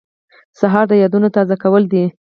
سهار د یادونو تازه کول دي.